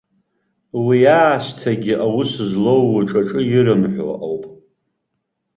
Уи аасҭагьы аус злоу уҿаҿы ирымҳәо ауп.